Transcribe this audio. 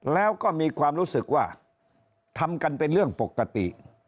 แล้วก็มีความรู้สึกว่าทำกันเป็นเรื่องปกติ